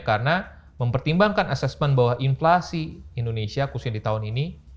karena mempertimbangkan assessment bahwa inflasi indonesia khususnya di tahun ini